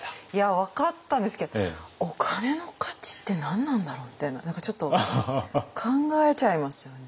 分かったんですけどお金の価値って何なんだろうみたいな何かちょっと考えちゃいますよね。